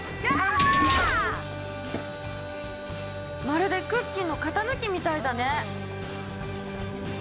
まるでクッキーの型抜きみたいだね。